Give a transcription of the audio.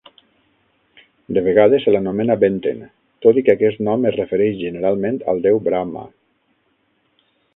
De vegades se l'anomena Benten, tot i que aquest nom es refereix generalment al déu Brahma.